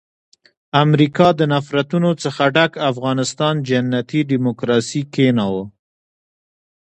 امریکا د نفرتونو څخه ډک افغانستان جنتي ډیموکراسي کښېناوه.